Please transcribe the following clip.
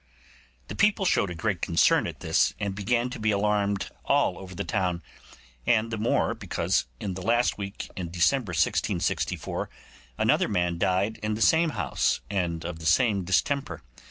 The people showed a great concern at this, and began to be alarmed all over the town, and the more, because in the last week in December 1664 another man died in the same house, and of the same distemper.